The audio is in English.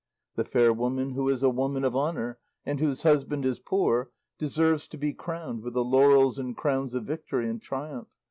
The fair woman who is a woman of honour, and whose husband is poor, deserves to be crowned with the laurels and crowns of victory and triumph.